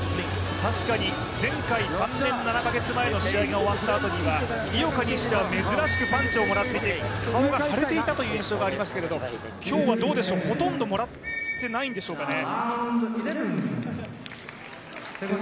確かに前回３年７カ月前の試合のあとには井岡にしては珍しくパンチをもらって、顔が腫れていたという印象がありますけど今日はどうでしょう、ほとんどもらってないんでしょうかね。